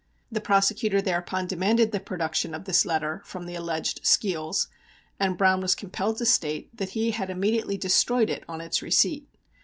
The prosecutor thereupon demanded the production of this letter from the alleged Skeels, and Browne was compelled to state that he had immediately destroyed it on its receipt.